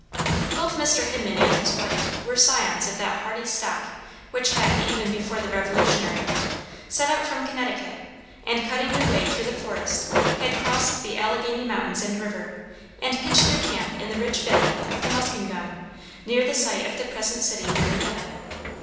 Both Mr. Hinman and his wife were scions of that hardy stock which had, even before the Revolutionary War, set out from Connecticut, and, cutting their way through the forest, had crossed the Alleghany Mountains and river, and pitched their camp in the rich valley of the Muskingum, near the site of the present city of Marietta.